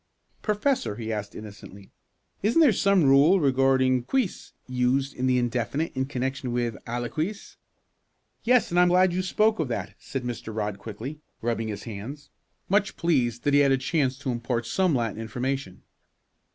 "Professor," he asked innocently, "isn't there some rule regarding quis used in the indefinite in connection with aliquis?" "Yes, and I am glad you spoke of that," said Mr. Rodd quickly, rubbing his hands, much pleased that he had a chance to impart some Latin information.